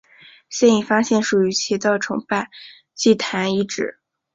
现已发现属于其的崇拜祭坛遗址。